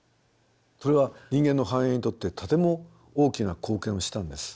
それは人間の繁栄にとってとても大きな貢献をしたんです。